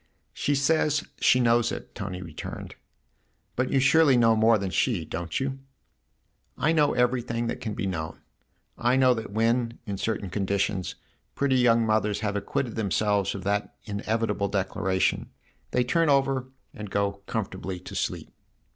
" She says she knows it," Tony returned. " But you surely know more than she, don't you ?"" I know everything that can be known. I know that when, in certain conditions, pretty young mothers have acquitted themselves of that inevi table declaration, they turn over and go comfortably to sleep."